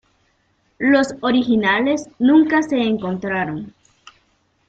Los originales nunca se encontraron.